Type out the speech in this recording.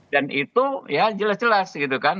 dan itu ya jelas jelas gitu kan